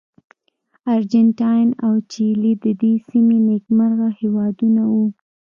ارجنټاین او چیلي د دې سیمې نېکمرغه هېوادونه وو.